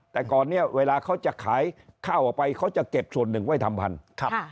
แต่ก่อนเนี่ยเวลาเขาจะขายข้าวออกไปเขาจะเก็บส่วนหนึ่งไว้ทำพันธุ์